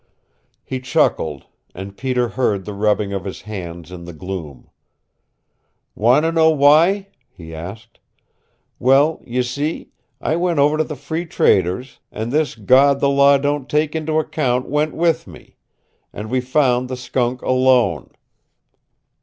He chuckled, and Peter heard the rubbing of his hands in the gloom. "Want to know why?" he asked. "Well, you see, I went over to the Free Trader's, and this God the law don't take into account went with me, and we found the skunk alone.